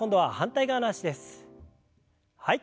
はい。